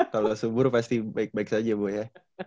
kalau subur pasti baik baik saja bu ya